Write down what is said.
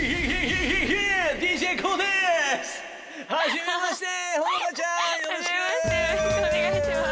よろしくお願いします。